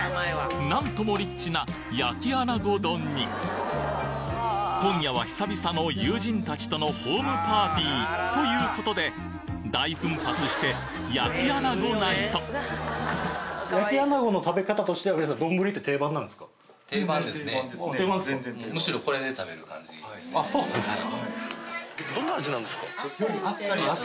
なんともリッチな焼き穴子丼に今夜は久々の友人たちとのホームパーティーという事で大奮発して焼き穴子ナイトああそうですか。